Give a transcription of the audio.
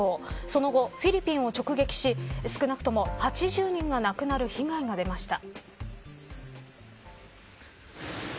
その後、フィリピンを直撃し少なくとも８０人が亡くなる被害が出ました。